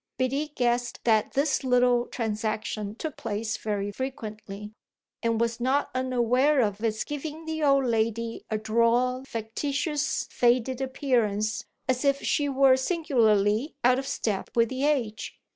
Biddy guessed that this little transaction took place very frequently, and was not unaware of its giving the old lady a droll, factitious, faded appearance, as if she were singularly out of step with the age.